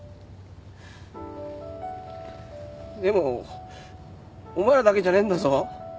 でもお前らだけじゃねえんだぞ。